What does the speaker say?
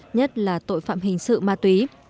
nhất là tội phạm hình sự ma túy